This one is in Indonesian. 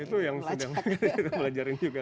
itu yang sedang kita pelajarin juga